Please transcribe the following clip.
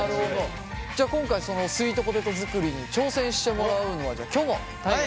じゃ今回そのスイートポテト作りに挑戦してもらうのはじゃきょも大我。